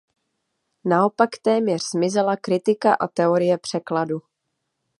Naopak téměř zmizela kritika a teorie překladu.